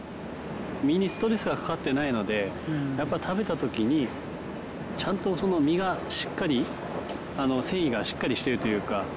身にストレスがかかってないのでやっぱり食べた時にちゃんとその身がしっかり繊維がしっかりしてるというか。